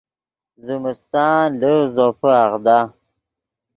زمستان لڤز زوپے اغدا